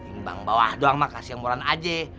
ting bang bawah doang mah kasih yang murahan aja